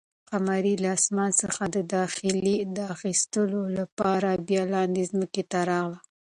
قمرۍ له اسمانه څخه د خلي د اخیستلو لپاره بیا لاندې ځمکې ته راغله.